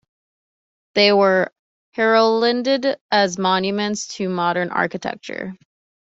They were heralded as monuments to modern architecture.